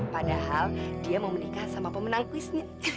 padahal dia mau menikah sama pemenang kuisnya